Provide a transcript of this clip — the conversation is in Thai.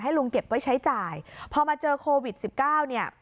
ลุงเก็บไว้ใช้จ่ายพอมาเจอโควิดสิบเก้าเนี่ย